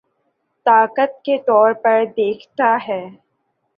طاقت کے طور پر دیکھتا ہے